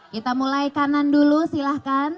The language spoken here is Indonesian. kita mulai kanan dulu silahkan